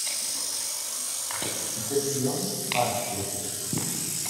Qui té tions, fa estelles.